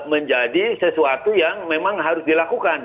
menjadi sesuatu yang memang harus dilakukan